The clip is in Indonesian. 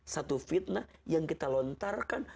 satu fitnah yang kita lontarkan